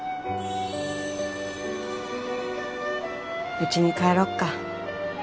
うちに帰ろっか。